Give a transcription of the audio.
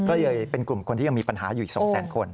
ก็เลยเป็นกลุ่มคนที่ยังมีปัญหาอยู่อีก๒แสนคน